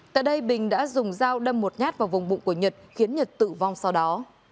tại đây bình đã dùng dao đâm một nhát vào vùng bụng của nhật khiến nhật tử vong sau đó